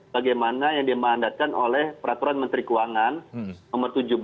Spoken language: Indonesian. bagaimana yang dimandatkan oleh peraturan menteri keuangan nomor tujuh belas